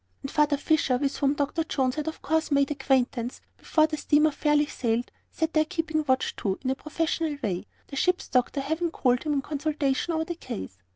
And Father Fisher with whom Dr. Jones had of course made acquaintance, before the steamer fairly sailed, sat there keeping watch too, in a professional way, the ship's doctor having called him in consultation over the case.